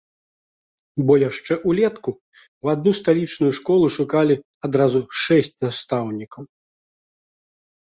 Бо яшчэ ўлетку ў адну сталічную школу шукалі адразу шэсць настаўнікаў.